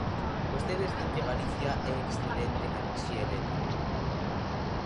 Vostedes din que Galicia é excedente en enerxía eléctrica.